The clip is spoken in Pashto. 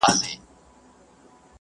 هغې خپل عادتونه ښه کړي دي.